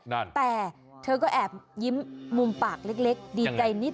นั่นแต่เธอก็แอบยิ้มมุมปากเล็กดีใจนิด